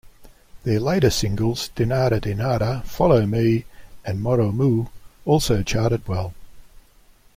Their later singles "Dinata Dinata", "Follow Me", and "Moro Mou" also charted well.